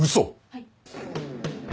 はい。